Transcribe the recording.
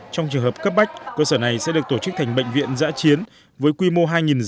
trong trường hợp cấp bách cơ sở này sẽ được tổ chức thành bệnh viện giã chiến với quy mô hai giường